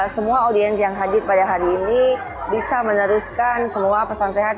semua audiens yang hadir pada hari ini bisa meneruskan semua pesan sehat